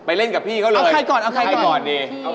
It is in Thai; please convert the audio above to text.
ไปเล่นกับพี่เขาเลยเอาใครก่อนนี่ผู้หญิงเอาใครก่อน